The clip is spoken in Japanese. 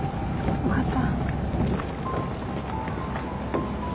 分かった。